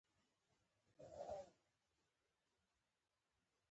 په سیمو کې جوړول.